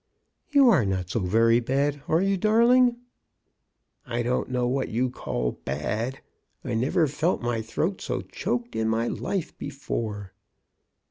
You are not so very bad, are you, darling? "" I don't know what you call bad. I never felt my throat so choked in my life before."